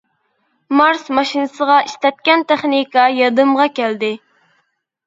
مارس ماشىنىسىغا ئىشلەتكەن تېخنىكا يادىمغا كەلدى.